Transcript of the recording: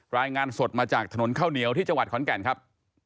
รายงานสดมาจากถนนข้าวเหนียวที่จังหวัดขอนแก่นครับ